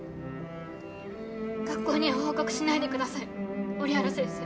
学校には報告しないでください折原先生。